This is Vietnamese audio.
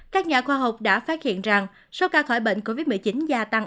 các nhà khoa học đã phát hiện rằng số ca khỏi bệnh covid một mươi chín gia tăng